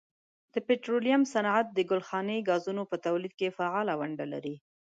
د پټرولیم صنعت د ګلخانهیي ګازونو په تولید کې فعاله ونډه لري.